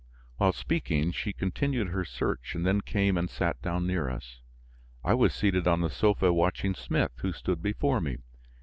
While speaking, she continued her search and then came and sat down near us. I was seated on the sofa watching Smith, who stood before me.